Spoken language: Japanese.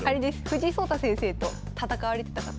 藤井聡太先生と戦われてた方。